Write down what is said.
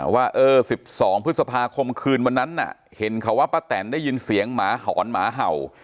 ว่า๑๒พฤษภาคมคืนวันนั้นเห็นเขาว่าป้าแตนได้ยินเสียงหมาหอนหมาเห่า